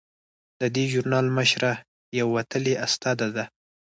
د دې ژورنال مشره یوه وتلې استاده ده.